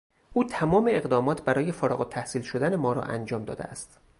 او تمام اقدامات برای فارغالتحصیل شدن ما را انجام داده است.